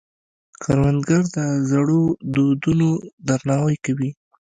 کروندګر د زړو دودونو درناوی کوي